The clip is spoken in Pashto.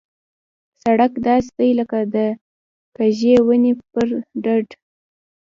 سړک داسې دی لکه د کږې ونې پر ډډ.